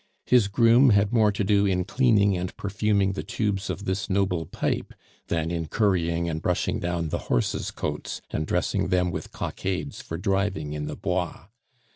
His groom had more to do in cleaning and perfuming the tubes of this noble pipe than in currying and brushing down the horses' coats, and dressing them with cockades for driving in the Bois.